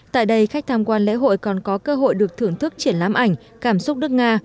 tại đây khách tham quan lễ hội còn có cơ hội được thưởng thức triển lãm ảnh cảm xúc đức nga